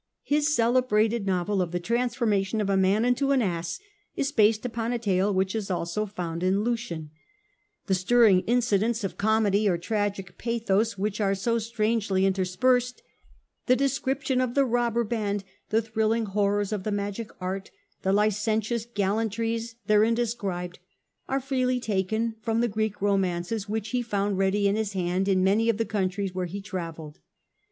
His cele brated novel of the Transformation of a Man into an Ass is based upqp a tale which is also found in Lucian , CH. VIII. The Literary Currents of the Age. 189 the stirring incidents of comedy or tragic pathos which are so strangely interspersed, the description of the robber band, the thrilling horrors of the magic art, the licentious gallantries therein described, are freely taken rom the Greek romances which he found ready to his hand in many of the countries where he travelled.